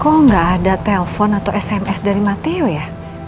kok gak ada telpon atau sms dari matiyo ya